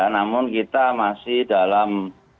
namun kita masih dalam